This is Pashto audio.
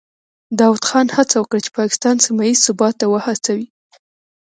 داود خان هڅه وکړه چې پاکستان سیمه ییز ثبات ته وهڅوي.